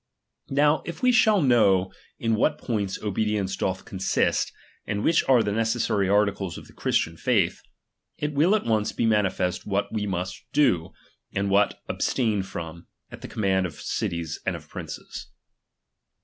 Now, if we shall know in what points obedience doth con sist, and which are the necessary articles of the Christian faith ; it will at once be manifest what we must do, and what abstain from, at the com mand of cities and of princes.